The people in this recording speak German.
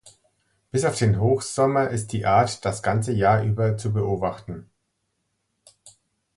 Bis auf den Hochsommer ist die Art das ganze Jahr über zu beobachten.